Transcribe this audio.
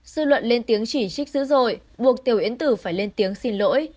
sư luận lên tiếng chỉ trích dữ dội buộc tiểu yến tử phải lên tiếng xin lỗi